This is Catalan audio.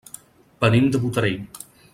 Venim de Botarell.